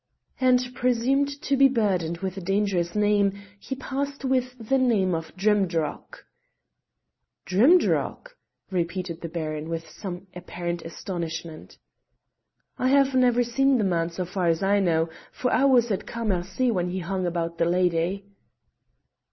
"And presumed to be burdened with a dangerous name, he passed with the name of Drimdarroch." "Drimdarroch!" repeated the Baron with some apparent astonishment. "I have never seen the man, so far as I know, for I was at Cammercy when he hung about the lady."